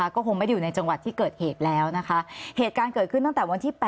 ก็คงไม่ได้อยู่ในจังหวัดที่เกิดเหตุแล้วนะคะเหตุการณ์เกิดขึ้นตั้งแต่วันที่๘